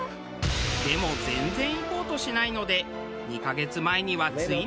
でも全然行こうとしないので２カ月前にはついに。